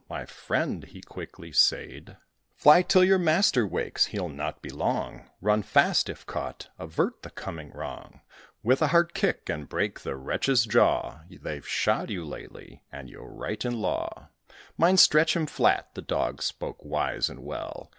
"My friend," he quickly said, "Fly till your master wakes he'll not be long; Run fast. If caught, avert the coming wrong With a hard kick, and break the wretch's jaw: They've shod you lately, and you're right in law. Mind, stretch him flat." The Dog spoke wise and well.